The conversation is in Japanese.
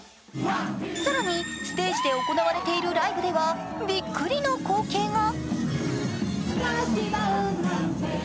更にステージで行われているライブではびっくりの光景が。